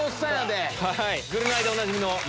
『ぐるナイ』でおなじみの。